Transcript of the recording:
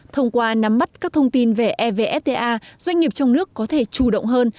thông qua nắm mắt các thông tin về evfta doanh nghiệp trong nước có thể chủ động hơn